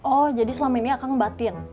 oh jadi selama ini akang ngebatin